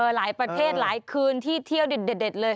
หลายประเทศหลายคืนที่เที่ยวเด็ดเลย